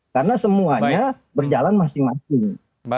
karena semuanya berjalan masing masing